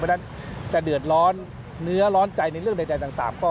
เพราะฉะนั้นจะเดือดร้อนเนื้อร้อนใจในเรื่องใดต่างก็